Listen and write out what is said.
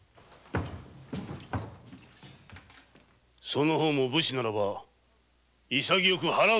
その方も武士ならば潔く腹を切れ！